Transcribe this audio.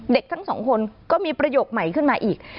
เด็กทั้งสองคนก็มีประโยคใหม่ขึ้นมาอีก